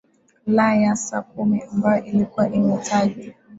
la ya saa kumi ambayo ilikuwa imetajwa